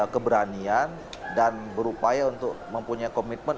keberanian dan berupaya untuk mempunyai komitmen